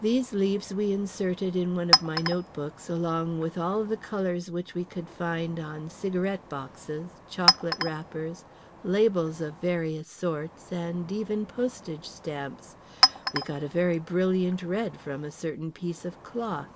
These leaves we inserted in one of my notebooks, along with all the colours which we could find on cigarette boxes, chocolate wrappers, labels of various sorts and even postage stamps. (We got a very brilliant red from a certain piece of cloth.)